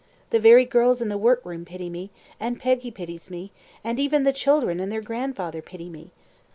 The very girls in the workroom pity me, and Peggy pities me, and even the children and their grandfather pity me.